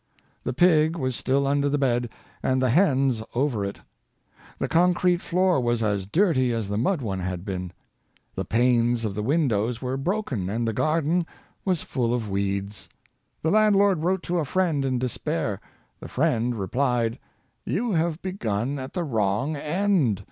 The pig was still under the bed, and the hens over it. The concrete floor was as dirty as the mud one had been. The panes of the windows were broken, and the garden was full of weeds. The land lord wrote to a friend in despair. The friend replied, ^' You have begun at the wrong end.